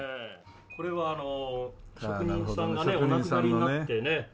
これは職人さんがねお亡くなりになってね